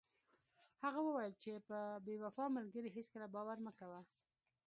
هغه وویل چې په بې وفا ملګري هیڅکله باور مه کوه.